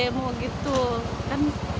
jadi mendingan tetap nari